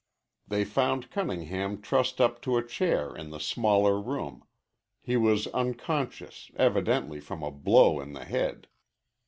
They found Cunningham trussed up to a chair in the smaller room. He was unconscious, evidently from a blow in the head.